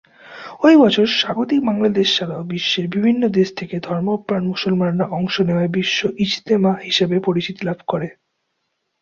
ওই বছর স্বাগতিক বাংলাদেশ ছাড়াও বিশ্বের বিভিন্ন দেশ থেকে ধর্মপ্রাণ মুসলমানরা অংশ নেওয়ায় ‘বিশ্ব ইজতেমা’ হিসেবে পরিচিতি লাভ করে।